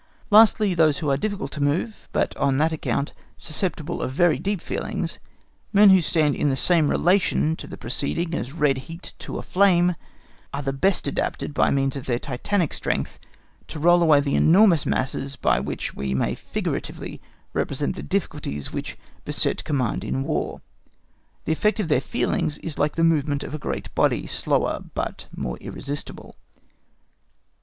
Lastly, those who are difficult to move, but on that account susceptible of very deep feelings, men who stand in the same relation to the preceding as red heat to a flame, are the best adapted by means of their Titanic strength to roll away the enormous masses by which we may figuratively represent the difficulties which beset command in War. The effect of their feelings is like the movement of a great body, slower, but more irresistible.